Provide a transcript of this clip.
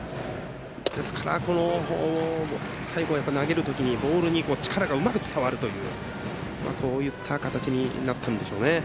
ですから、最後は投げる時にボールに力がうまく伝わるというこういった形になったんでしょう。